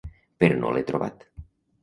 Però no l’he trobat.